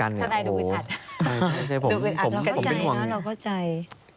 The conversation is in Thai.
ทนายดูอึดอัดดูอึดอัดเราเข้าใจเนอะเราเข้าใจ